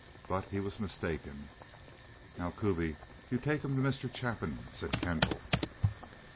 But he was mistaken. "Now, Kuby, you take him to Mr. Chapin," said Kendall.